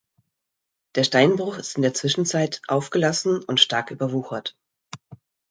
Der Steinbruch ist in der Zwischenzeit aufgelassen und stark überwuchert.